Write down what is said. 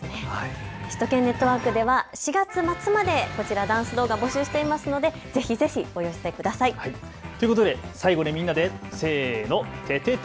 首都圏ネットワークでは４月末までダンス動画、募集していますのでぜひぜひお寄せください。ということで最後、みんなでててて！